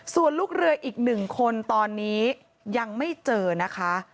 ส่วนลูกเรืออีกหนึ่งคนตอนนี้ยังไม่เจอนะคะ